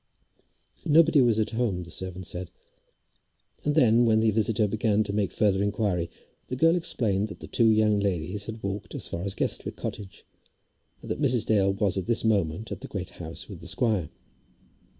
Nobody was at home, the servant said; and then, when the visitor began to make further inquiry, the girl explained that the two young ladies had walked as far as Guestwick Cottage, and that Mrs. Dale was at this moment at the Great House with the squire.